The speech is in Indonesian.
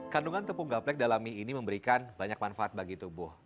kandungan tepung gaplek dalam mie ini memberikan banyak manfaat bagi tubuh